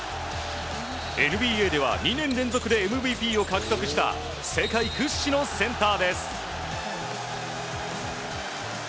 ＮＢＡでは２年連続でＭＶＰを獲得した世界屈指のセンターです。